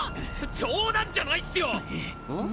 冗談じゃないっスよ！！